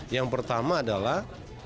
yang pertama adalah